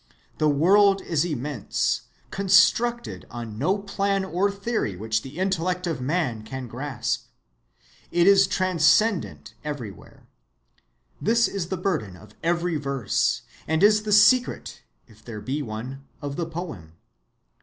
The world is immense, constructed on no plan or theory which the intellect of man can grasp. It is transcendent everywhere. This is the burden of every verse, and is the secret, if there be one, of the poem.